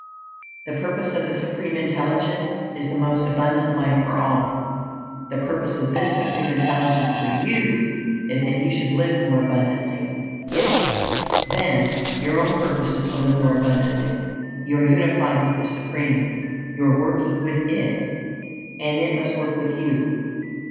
The purpose of the Supreme Intelligence is the most Abundant Life for all; the purpose of this Supreme Intelligence for you is that you should live more abundantly. If, then, your own purpose is to live more abundantly, you are unified with the Supreme; you are working with It, and it must work with you.